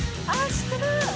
「知ってる？」